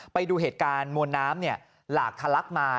ไปดูเหตุการณ์มวลน้ำหลากทะลักมา